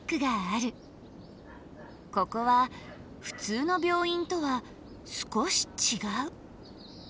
ここはふつうの病院とは少しちがう。